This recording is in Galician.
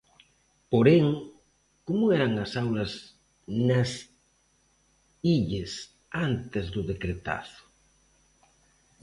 Porén, como eran as aulas nas Illes antes do 'decretazo'?